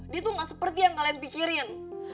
dia tuh gak seperti yang kalian pikirin